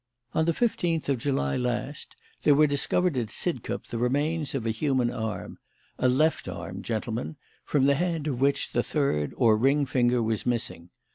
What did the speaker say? On the fifteenth of July last there were discovered at Sidcup the remains of a human arm a left arm, gentlemen, from the hand of which the third, or ring, finger was missing.